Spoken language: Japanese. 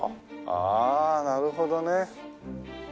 ああなるほどね。